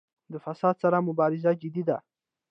د فساد سره مبارزه جدي ده؟